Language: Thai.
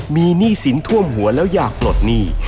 มีหนี้สินท่วมหัวแล้วอยากปลดหนี้